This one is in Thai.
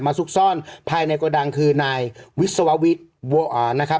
ซุกซ่อนภายในกระดังคือนายวิศววิทย์นะครับ